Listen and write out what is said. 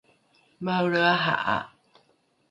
maelre aha’a